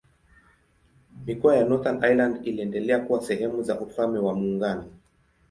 Mikoa ya Northern Ireland iliendelea kuwa sehemu za Ufalme wa Muungano.